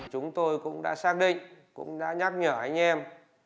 chúng tôi cũng đã xác định cũng đã nhắc nhở anh em